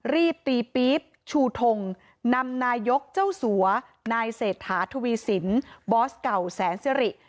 รีบตีปี๊บชูทงนำนายกเจ้าสัวนายเศรษฐาทวีสินบอสเก่าแสนสิริ